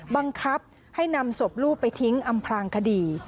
บังคับให้นำศพลูกไปทิ้งอำพลางคดี